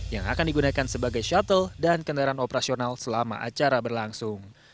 yang akan digunakan sebagai shuttle dan kendaraan operasional selama acara berlangsung